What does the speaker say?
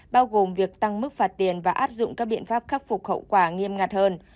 bao gồm việc tăng mức phạt tiền và áp dụng các biện pháp khắc phục khẩu quả nghiêm ngặt hơn